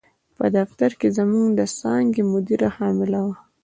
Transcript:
په دفتر کې زموږ د څانګې مدیره حامله وه.